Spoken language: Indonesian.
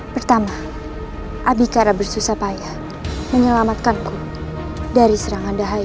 pertama abikar bersusah payah menyelamatkanku dari serangan dahaya